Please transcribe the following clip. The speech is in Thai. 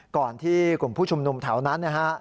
ก่อนที่กลุ่มผู้ชุมนุมแถวนั้นนะฮะ